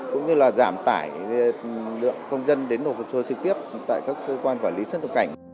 cũng như là giảm tải lượng công dân đến đổi số trực tiếp tại các cơ quan quản lý xuất nhập cảnh